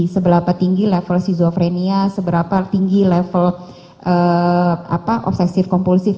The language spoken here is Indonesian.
seberapa tinggi level skizofrenia seberapa tinggi level obsesif kompulsif